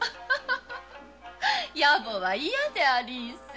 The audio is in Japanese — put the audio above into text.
野暮は嫌でありんす。